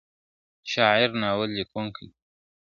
شاعر، ناول لیکونکی !.